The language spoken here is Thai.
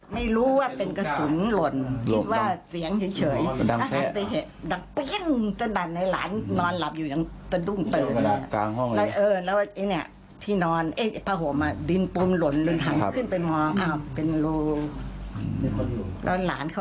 แม่ฝากเตือนอะไรคนที่ยิงเปลือนไหม